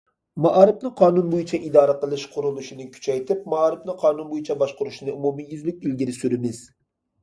مائارىپنى قانۇن بويىچە ئىدارە قىلىش قۇرۇلۇشىنى كۈچەيتىپ، مائارىپنى قانۇن بويىچە باشقۇرۇشنى ئومۇميۈزلۈك ئىلگىرى سۈرىمىز.